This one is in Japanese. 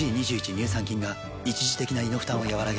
乳酸菌が一時的な胃の負担をやわらげる